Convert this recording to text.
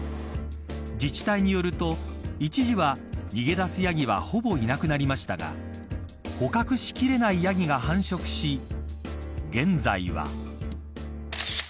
自治体によると、一時は逃げ出したヤギはほぼいなくなりましたが捕獲しきれないヤギが繁殖し現在は。